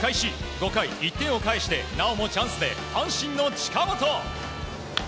５回、１点を返してなおもチャンスで阪神の近本。